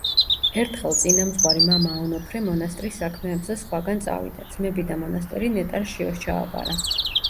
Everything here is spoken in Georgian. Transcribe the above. ერთხელ წინამძღვარი მამა ონოფრე მონასტრის საქმეებზე სხვაგან წავიდა, ძმები და მონასტერი ნეტარ შიოს ჩააბარა.